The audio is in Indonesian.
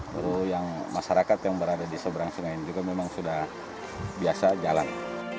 lalu yang masyarakat yang berada di seberang sungai ini juga memang sudah biasa jalan